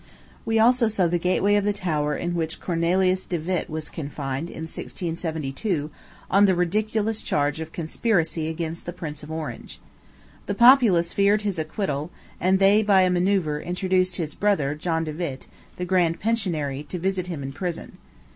We also saw the gateway of the tower in which Cornelius De Witt was confined, in 1672, on the ridiculous charge of conspiracy against the Prince of Orange. The populace feared his acquittal, and they by a manœuvre induced his brother John De Witt, the grand pensionary, to visit him in prison.